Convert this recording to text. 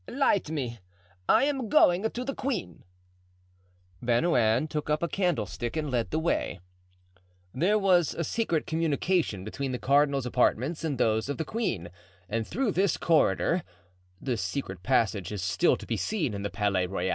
"Light me; I am going to the queen." Bernouin took up a candlestick and led the way. There was a secret communication between the cardinal's apartments and those of the queen; and through this corridor* Mazarin passed whenever he wished to visit Anne of Austria.